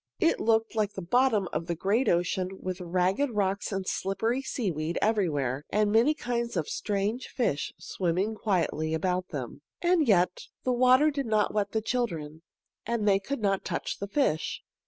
It looked like the bottom of the great ocean, with ragged rocks and slippery seaweed everywhere, and many kinds of strange fish swimming quietly about them. And yet, the water did not wet the children, and they could not touch the fish.